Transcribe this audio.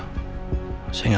kalau kita bisa bersama